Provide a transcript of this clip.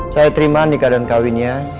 selamat nikah dan kawinnya